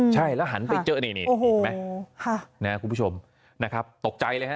ใช่แล้วหันไปเจอนี่เห็นไหมคุณผู้ชมนะครับตกใจเลยฮะ